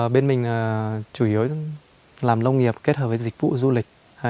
bên mình chủ yếu làm nông nghiệp kết hợp với dịch vụ du lịch